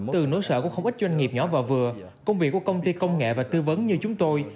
từ nối sợ của không ít doanh nghiệp nhỏ và vừa công việc của công ty công nghệ và tư vấn như chúng tôi